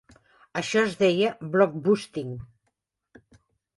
Això es deia "blockbusting".